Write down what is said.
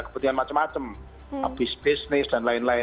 kepentingan macam macam bisnis dan lain lain